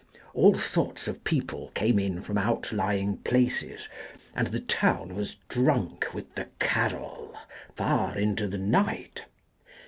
All sorts of people came in from outlying places, and the town was drunk with the " Carol " far into the night.